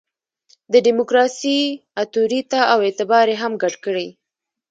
د ډیموکراسي اُتوریته او اعتبار یې هم ګډ کړي.